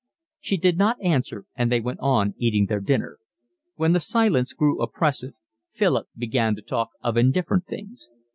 She did not answer, and they went on eating their dinner. When the silence grew oppressive Philip began to talk of indifferent things.